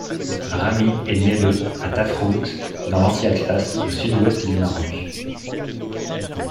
Rami est né le à Tafraout dans l'Anti-Atlas, au sud-ouest du Maroc.